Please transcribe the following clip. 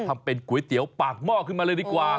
ทำเป็นก๋วยเตี๋ยวปากหม้อขึ้นมาเลยดีกว่า